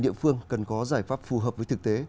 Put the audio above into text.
địa phương cần có giải pháp phù hợp với thực tế